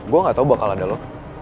gue gak tau bakal ada lo